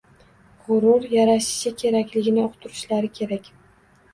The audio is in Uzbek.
G‘urur yarashishi kerakligini uqtirishlari kerak.